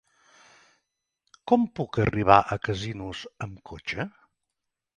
Com puc arribar a Casinos amb cotxe?